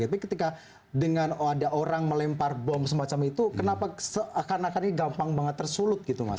tapi ketika dengan ada orang melempar bom semacam itu kenapa seakan akan ini gampang banget tersulut gitu mas